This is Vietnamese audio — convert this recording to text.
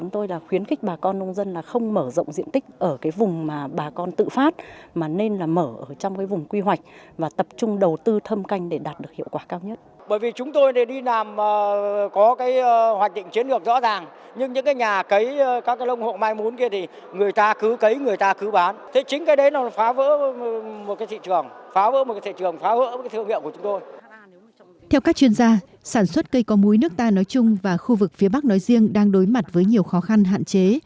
theo các chuyên gia sản xuất cây có múi nước ta nói chung và khu vực phía bắc nói riêng đang đối mặt với nhiều khó khăn hạn chế